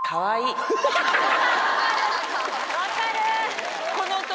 分かる。